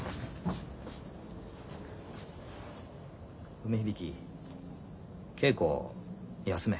梅響稽古休め。